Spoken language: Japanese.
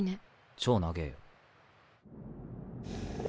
超長ぇよ。